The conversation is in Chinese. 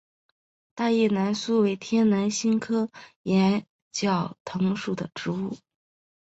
大叶南苏为天南星科崖角藤属的植物。